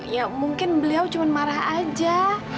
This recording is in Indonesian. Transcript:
ya mungkin beliau cuma marah aja